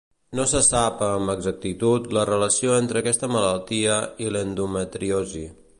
No se sap amb exactitud la relació entre aquesta malaltia i l'endometriosi.